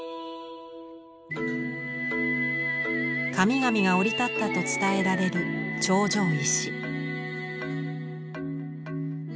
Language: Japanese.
神々が降り立ったと伝えられる頂上石。